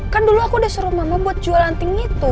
kan dulu aku udah suruh mama buat jualan tinggi itu